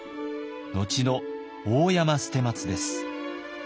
後の大山捨松です。